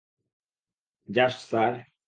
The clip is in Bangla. Just, sir!